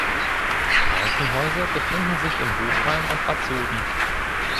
Krankenhäuser befinden sich in Hofheim und Bad Soden.